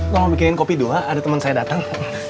kamu mau bikinin kopi dua ada teman saya datang